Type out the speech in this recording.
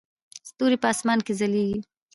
ستوري په اسمان کې ځلیږي